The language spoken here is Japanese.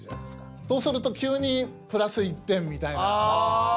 そうすると急にプラス１点みたいな。